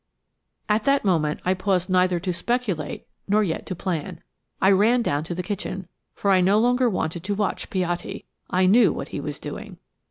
At that moment I paused neither to speculate nor yet to plan. I ran down to the kitchen, for I no longer wanted to watch Piatti. I knew what he was doing.